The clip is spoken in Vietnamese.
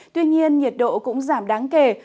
tuy nhiên nhiệt độ cũng giảm đáng kể